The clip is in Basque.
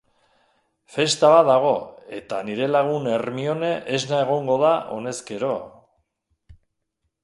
Festa bat dago, eta nire lagun Hermione esna egongo da honezkero...